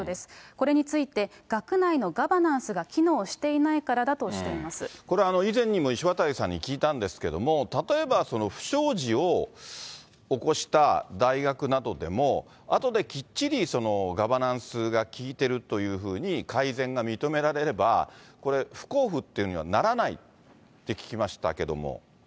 これについて学内のガバナンスが機能していないからだとしていまこれ、以前にも石渡さんに聞いたんですけれども、例えば、不祥事を起こした大学などでも、あとできっちりガバナンスがきいてるというふうに改善が認められれば、これ、不交付っていうふうにはならないって聞きましたけども。